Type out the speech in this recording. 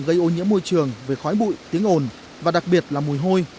gây ô nhiễm môi trường về khói bụi tiếng ồn và đặc biệt là mùi hôi